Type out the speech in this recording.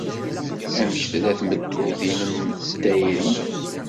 Amek tella tmeddurt-nnem n tayri?